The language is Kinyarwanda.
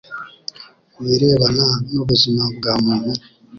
mu birebana n'ubuzima bwa muntu